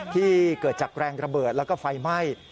ที่เกิดจากแรงระเบิดแล้วก็ไฟไหม้